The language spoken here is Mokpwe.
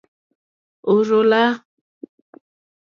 Ò rzô lá.